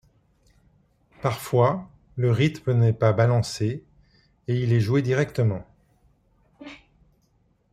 Parfois, le rythme n'est pas balancé et il est joué directement.